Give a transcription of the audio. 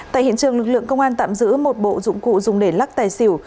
tại hiện trường lực lượng công an tạm giữ một bộ dụng cụ dùng để lắc tài xỉu